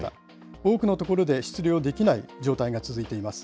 多くの所で出漁できない状態が続いています。